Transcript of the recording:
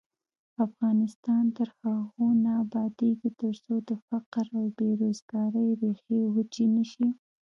افغانستان تر هغو نه ابادیږي، ترڅو د فقر او بې روزګارۍ ریښې وچې نشي.